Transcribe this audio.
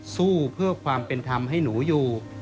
สู้เพื่อความเป็นธรรมให้หนูอยู่